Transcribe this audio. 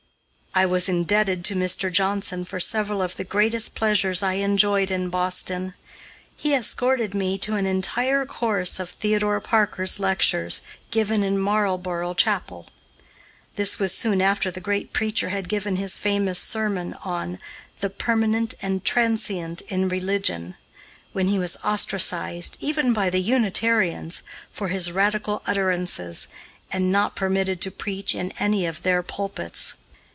I was indebted to Mr. Johnson for several of the greatest pleasures I enjoyed in Boston. He escorted me to an entire course of Theodore Parker's lectures, given in Marlborough Chapel. This was soon after the great preacher had given his famous sermon on "The Permanent and Transient in Religion," when he was ostracised, even by the Unitarians, for his radical utterances, and not permitted to preach in any of their pulpits.